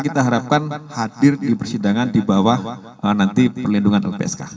kita harapkan hadir di persidangan di bawah nanti perlindungan lpsk